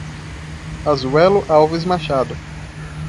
Asuelo Alves Machado